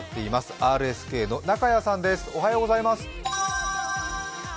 ＲＳＫの中屋さんです。